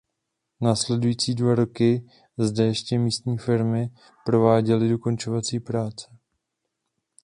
Následující dva roky zde ještě místní firmy prováděly dokončovací práce.